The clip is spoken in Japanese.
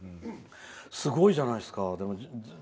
すごいじゃないですか。